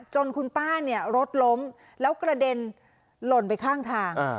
จนคุณป้าเนี่ยรถล้มแล้วกระเด็นหล่นไปข้างทาง